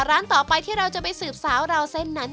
ร้านต่อไปที่เราจะไปสืบสาวราวเส้นนั้น